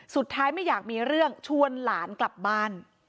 ไม่อยากมีเรื่องชวนหลานกลับบ้าน